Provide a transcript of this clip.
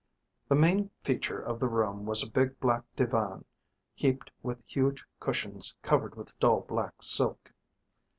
The main feature of the room was a big black divan heaped with huge cushions covered with dull black silk.